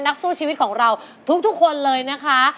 นักสู้ชีวิตของเราทุกคนเลยนะคะ